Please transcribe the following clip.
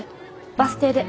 バス停で。